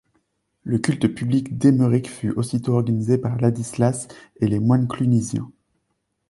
Le culte public d'Émeric fut aussitôt organisé par Ladislas et les moines clunisiens.